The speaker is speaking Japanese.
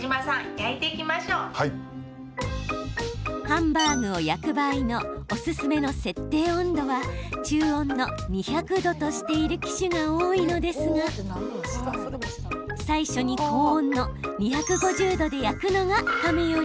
ハンバーグを焼く場合のおすすめの設定温度は中温の２００度としている機種が多いのですが最初に高温の２５０度で焼くのがかめ代。